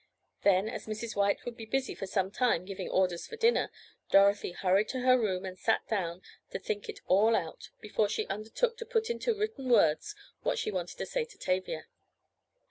Then, as Mrs. White would be busy for some time, giving orders for dinner, Dorothy hurried to her room, and sat down, to think it all out, before she undertook to put into written words what she wanted to say to Tavia.